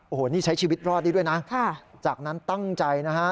โอ้โหนี่ใช้ชีวิตรอดได้ด้วยนะจากนั้นตั้งใจนะฮะ